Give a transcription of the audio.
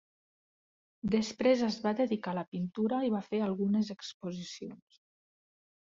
Després es va dedicar a la pintura i va fer algunes exposicions.